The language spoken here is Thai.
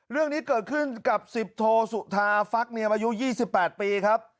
เรื่องนี้เกิดขึ้นกับ๑๐โทสุธาฟักเนียมอายุ๒๘ปีครับ